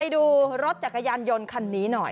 ดูรถจักรยานยนต์คันนี้หน่อย